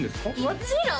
もちろん！